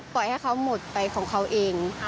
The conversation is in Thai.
ปล่อยให้เขาหมดไปของเขาเอง